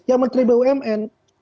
ya menteri bumn